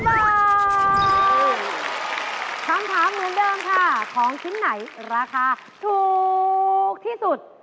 คำถามเหมือนเดิมค่ะของชิ้นไหนราคาถูกที่สุด